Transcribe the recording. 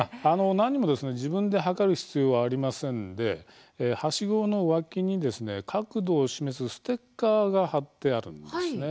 何も自分で測る必要はありませんではしごの脇に角度を示すステッカーが貼ってあるんですね。